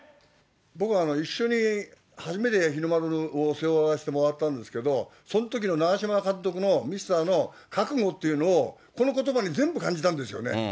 僕は、一緒に初めて日の丸を背負わせてもらったんですけど、そのときの長嶋監督の、ミスターの覚悟というのを、このことばに全部感じたんですよね。